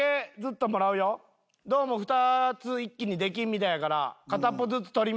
どうも２つ一気にできんみたいやから。